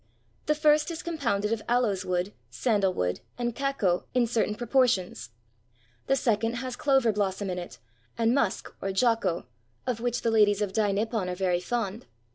The first is compounded of aloes wood, sandal wood, and kakko, in certain proportions. The second has clover blossom in it, and musk or jako — of which the ladies of Dai Nippon are very fond.